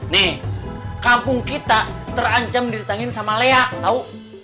nih kampung kita terancam ditangin sama lehak tau